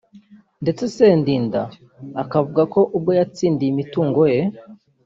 ndetse Sendinda akavuga ko n’ubwo yatsindiye imitungo ye